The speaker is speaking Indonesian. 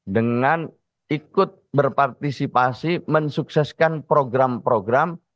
dengan ikut berpartisipasi mensukseskan program program